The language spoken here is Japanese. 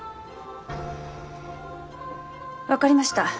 分かりました。